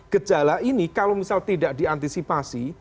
gejala ini kalau misal tidak diantisipasi